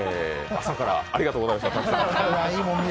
朝からありがとうございました、たくさん。